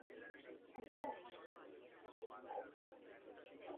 Ustezko erasotzaileetako bi identifikatu egin dituzte.